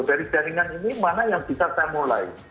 dari jaringan ini mana yang bisa saya mulai